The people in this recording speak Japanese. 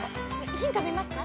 ヒント見ますか？